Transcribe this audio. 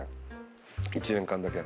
１年間だけ。